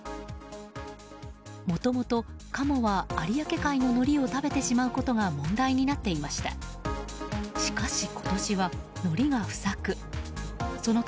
もともとカモは有明海ののりを食べてしまうことが問題になっていました。